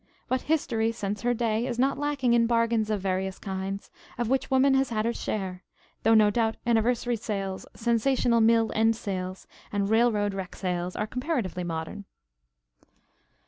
But history, since her day, is not lacking in bargains of various kinds, of which woman has had her share, though no doubt Anniversary Sales, Sensational Mill End Sales, and Railroad Wreck Sales are comparatively modern.